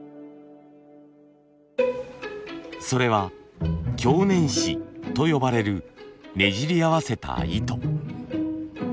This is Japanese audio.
それは強ねん糸と呼ばれるねじり合わせた糸。